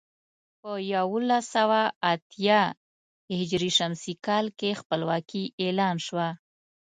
په یولس سوه اتيا ه ش کال کې خپلواکي اعلان شوه.